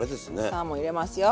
サーモン入れますよ。